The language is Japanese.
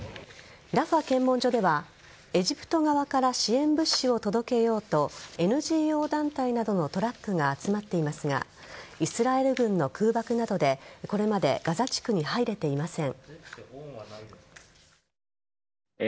ラファ検問所ではエジプト側から支援物資を届けようとＮＧＯ団体などのトラックが集まっていますがイスラエル軍の空爆などでこれまでガザ地区に入れていません。